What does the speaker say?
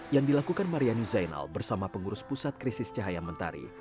yang dilakukan marianu zainal bersama pengurus pusat krisis cahaya mentari